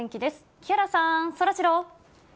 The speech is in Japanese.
木原さん、そらジロー。